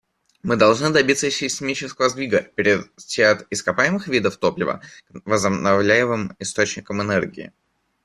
Мы должны добиться сейсмического сдвига — перейти от ископаемых видов топлива к возобновляемым источникам энергии.